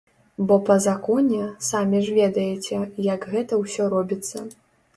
Бо па законе, самі ж ведаеце, як гэта ўсё робіцца.